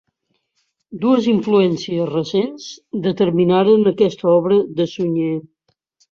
Dues influències recents determinaren aquesta obra de Sunyer.